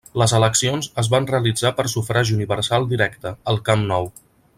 Les eleccions es van realitzar per sufragi universal directe, al Camp Nou.